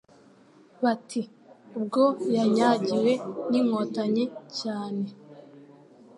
Bati:Ubwo yanyagiwe n'Inkotanyi cyane,